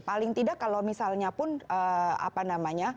paling tidak kalau misalnya pun apa namanya